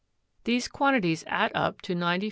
These quantities add up to 94.688%.